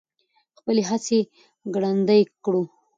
خپلې هڅې ګړندۍ کړو.